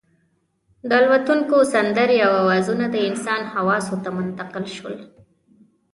د الوتونکو سندرې او اوازونه د انسان حواسو ته منتقل شول.